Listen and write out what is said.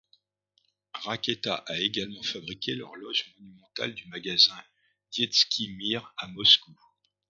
Raketa a également fabriqué l'horloge monumentale du magasin Dietsky mir, à Moscou.